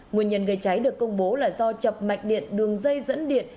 nguyên nhân gây cháy được công bố là do chập mạch điện đường dây dẫn điện